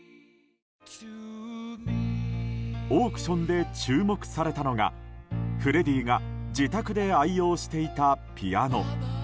オークションで注目されたのがフレディが自宅で愛用していたピアノ。